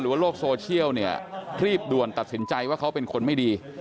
หรือว่าโรคโซเชียลรีบด่วนตัดสินใจว่าเขาเป็นคนไม่ดี